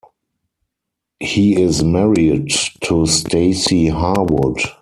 He is married to Stacey Harwood.